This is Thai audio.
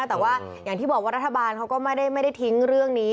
แต่ว่าอย่างที่บอกว่ารัฐบาลเขาก็ไม่ได้ทิ้งเรื่องนี้